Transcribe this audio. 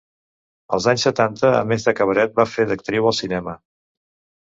Als anys setanta, a més de cabaret va fer d'actriu al cinema.